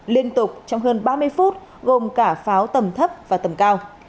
liên tục trong hơn ba mươi phút gồm cả pháo tầm thấp và tầm cao